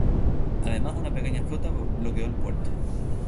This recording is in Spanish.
Además, una pequeña flota bloqueó el puerto.